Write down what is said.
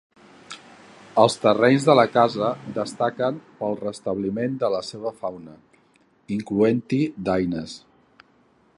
Els terrenys de la casa destaquen pel restabliment de la seva fauna, incloent-hi daines.